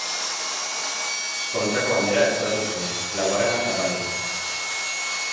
Kontxako Bandera eskuratu zuen, laugarrena jarraian.